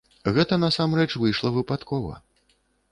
Гэта, насамрэч, выйшла выпадкова.